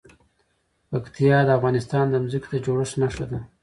پکتیا د افغانستان د ځمکې د جوړښت نښه ده.